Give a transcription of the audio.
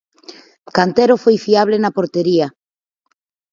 Cantero foi fiable na portería.